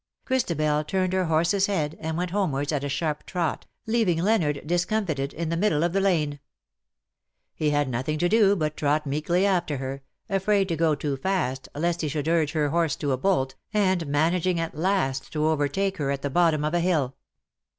'' Christabel turned her horse's head, and went homewards at a sharp trot, leaving Leonard, discom fited, in the middle of the lane. He had nothing to do but to trot meekly after her, afraid to go too fast, lest he should urge her horse to a bolt, and managing at last to overtake her at the bottom of a hill.